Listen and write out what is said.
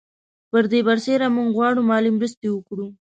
پر دې برسېره موږ غواړو مالي مرستې وکړو.